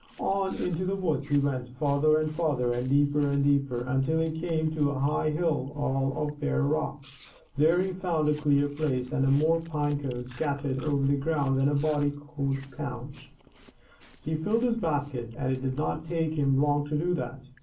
On into the woods he went, farther and farther and deeper and deeper, until he came to a high hill, all of bare rock. There he found a clear place and more pine cones scattered over the ground than a body could count. He filled his basket, and it did not take him long to do that.